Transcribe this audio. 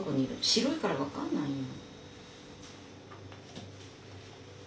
白いから分かんないよ。